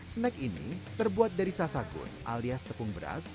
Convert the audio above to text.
snack ini terbuat dari sasagun alias tepung beras